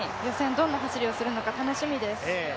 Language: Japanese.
どんな走りをするのか、楽しみです。